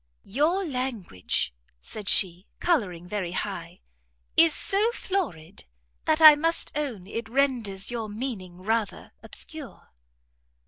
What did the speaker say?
"Your language," said she, colouring very high, "is so florid, that I must own it renders your meaning rather obscure."